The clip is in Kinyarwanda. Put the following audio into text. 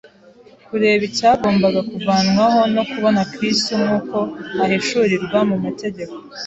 Kureba icyagombaga kuvanywaho no kubona Kristo nk’uko ahishurirwa mu mategeko